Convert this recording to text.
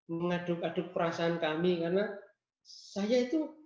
mengaduk aduk perasaan kami karena saya itu